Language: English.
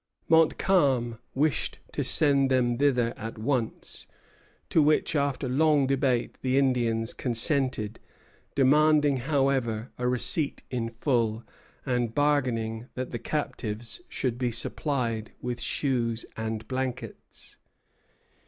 Montcalm wished to send them thither at once, to which after long debate the Indians consented, demanding, however, a receipt in full, and bargaining that the captives should be supplied with shoes and blankets.